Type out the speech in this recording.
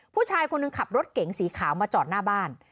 ผู้ชายคนหนึ่งขับรถเก๋งสีขาวมาจอดหน้าบ้าน